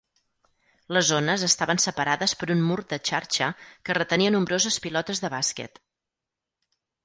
Les zones estaven separades per un mur de xarxa que retenia nombroses pilotes de bàsquet.